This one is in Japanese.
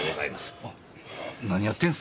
何やってんすか？